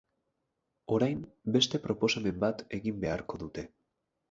Orain, beste proposamen bat egin beharko dute.